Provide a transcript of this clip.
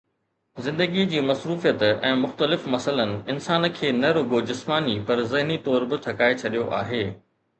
زندگيءَ جي مصروفيت ۽ مختلف مسئلن انسان کي نه رڳو جسماني پر ذهني طور به ٿڪائي ڇڏيو آهي